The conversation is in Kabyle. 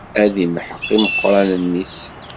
Ad imḥeq imeqqranen-is.